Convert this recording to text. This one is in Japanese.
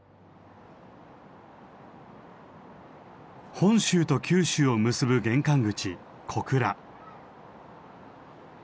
本州と九州を結ぶ玄関口小倉。